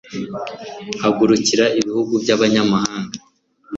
hagurukira ibihugu by'abanyamahanga